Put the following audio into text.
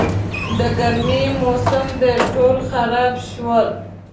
د ګرمي موسم دی، ټول خراب شول.